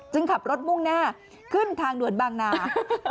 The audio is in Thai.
ขับรถมุ่งหน้าขึ้นทางด่วนบางนา